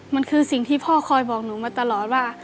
มันคือสิ่งที่พ่อคอยบอกหนูมาตลอดว่า